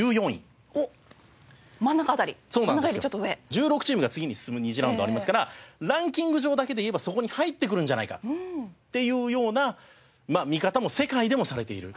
１６チームが次に進む２次ラウンドありますからランキング上だけで言えばそこに入ってくるんじゃないかっていうような見方も世界でもされている。